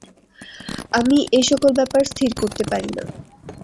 আমি এ সকল ব্যাপার স্থির করতে পারি না।